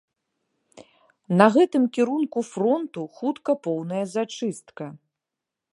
На гэтым кірунку фронту хутка поўная зачыстка.